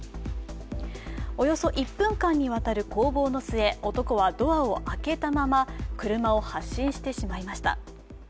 およそ１分間にわたる攻防の末、男はドアを開けたまま車を発進してしまいました。